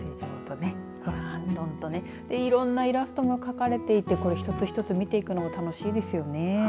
いろんなイラストが描かれていて一つ一つ見ていくのが楽しいですよね。